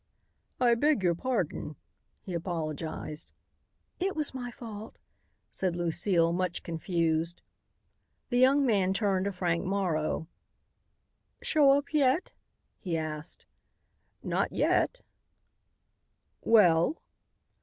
"I beg your pardon," he apologized. "It was my fault," said Lucile much confused. The young man turned to Frank Morrow. "Show up yet?" he asked. "Not yet." "Well?"